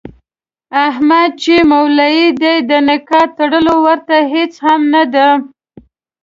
احمد چې مولوي دی د نکاح تړل ورته هېڅ هم نه دي.